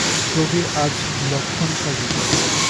প্রবীর আজ লক্ষ্মণ সাজিবে।